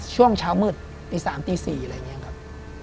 ช่วงเช้ามืดตี๓ตี๔อะไรอย่างนี้ครับ